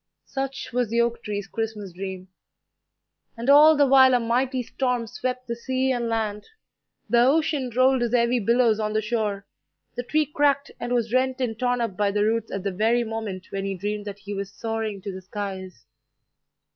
Such was the oak tree's Christmas dream. And all the while a mighty storm swept the sea and land; the ocean rolled his heavy billows on the shore, the tree cracked, and was rent and torn up by the roots at the very moment when he dreamed that he was soaring to the skies.